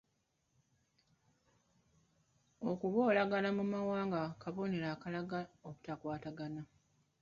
Okuboolagana mu mawanga kabonero akalaga obutakwatagana.